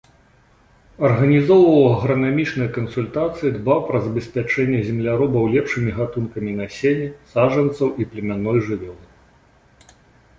Арганізоўваў агранамічныя кансультацыі, дбаў пра забеспячэнне земляробаў лепшымі гатункамі насення, саджанцаў і племянной жывёлы.